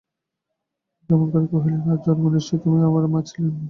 ক্ষেমংকরী কহিলেন, আর-জন্মে নিশ্চয়ই তুমি আমার মা ছিলে মা!